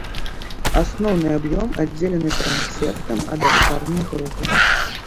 Асноўны аб'ём аддзелены трансептам ад алтарнай групы.